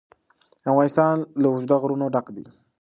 افغانستان له اوږده غرونه ډک دی.